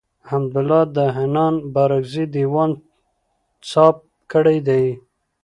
حمدالله د حنان بارکزي دېوان څاپ کړی دﺉ.